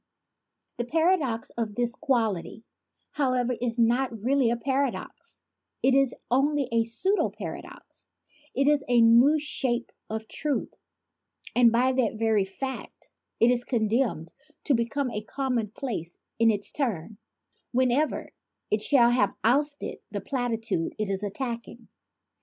125 A PLEA FOR THE PLATITUDE The paradox of this quality, however, is not really a paradox; it is only a pseudo paradox; it is a new shape of truth; and by that very fact it is condemned to become a commonplace in its turn, whenever it shall have ousted the platitude it is attacking.